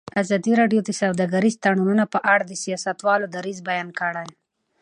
ازادي راډیو د سوداګریز تړونونه په اړه د سیاستوالو دریځ بیان کړی.